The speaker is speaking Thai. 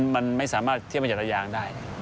มันไม่สามารถที่จะมาจัดอายางได้